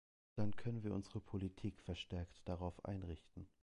Dann können wir unsere Politik verstärkt darauf einrichten.